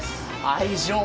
愛情